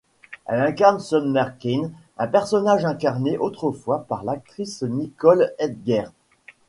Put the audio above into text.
Elle incarne Summer Quinn, un personnage incarné autrefois par l'actrice Nicole Eggert.